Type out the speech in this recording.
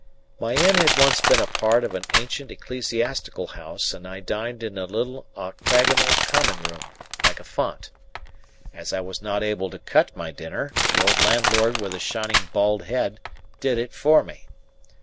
My inn had once been a part of an ancient ecclesiastical house, and I dined in a little octagonal common room, like a font. As I was not able to cut my dinner, the old landlord with a shining bald head did it for me.